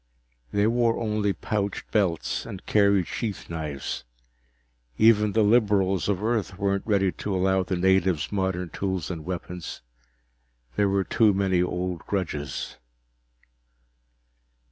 They wore only pouched belts and carried sheath knives; even the liberals of Earth weren't ready to allow the natives modern tools and weapons. There were too many old grudges.